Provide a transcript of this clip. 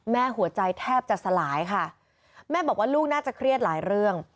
หัวใจแทบจะสลายค่ะแม่บอกว่าลูกน่าจะเครียดหลายเรื่อง